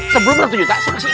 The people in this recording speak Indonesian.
sebelum satu juta saya masih ingat